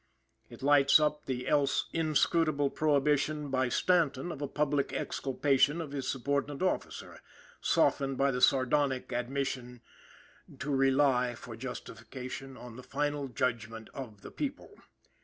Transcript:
It lights up the else inscrutable prohibition by Stanton of a public exculpation of his subordinate officer, softened by the sardonic admonition "to rely" for justification "on the final judgment of the people."